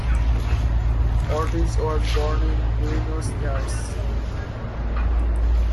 Ortiz was born in Buenos Aires.